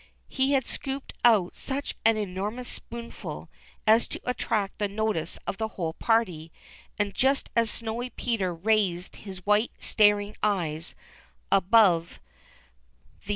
He had scooped out such an enormous spoonful as to attract the notice of the whole party, and just as Snowy Peter raised his white staring eyes above the TUE SNOAV MAN %%.